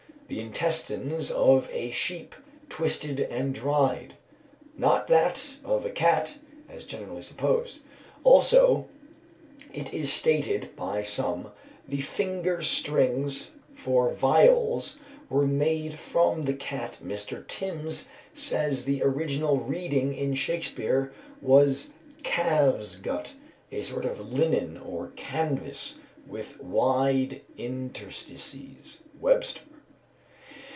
The intestines of a sheep, twisted and dried; not that of a cat, as generally supposed. Also, it is stated by some, the finer strings for viols were made from the cat. Mr. Timbs says the original reading in Shakespeare was "calves' gut." "A sort of linen or canvas with wide interstices." WEBSTER.